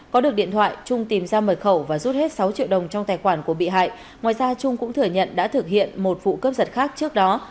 có được điện thoại trung tìm ra mời khẩu và rút hết sáu triệu đồng trong tài khoản của bị hại ngoài ra trung cũng thừa nhận đã thực hiện một vụ cướp giật khác trước đó